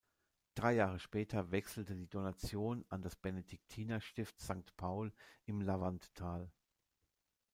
Drei Jahre später wechselte die Dotation an das Benediktinerstift Sankt Paul im Lavanttal.